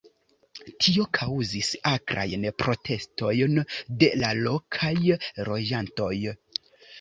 Tio kaŭzis akrajn protestojn de la lokaj loĝantoj.